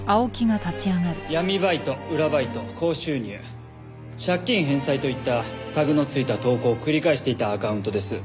闇バイト裏バイト高収入借金返済といったタグのついた投稿を繰り返していたアカウントです。